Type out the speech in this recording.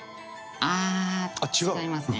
ああー違いますね。